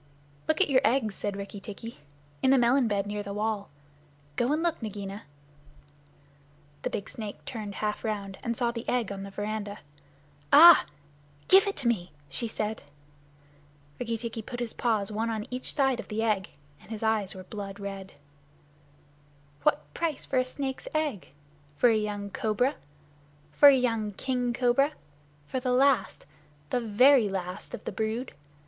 "Look at your eggs," said Rikki tikki, "in the melon bed near the wall. Go and look, Nagaina!" The big snake turned half around, and saw the egg on the veranda. "Ah h! Give it to me," she said. Rikki tikki put his paws one on each side of the egg, and his eyes were blood red. "What price for a snake's egg? For a young cobra? For a young king cobra? For the last the very last of the brood?